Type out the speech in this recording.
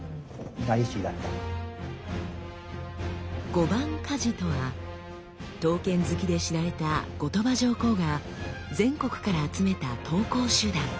御番鍛冶とは刀剣好きで知られた後鳥羽上皇が全国から集めた刀工集団。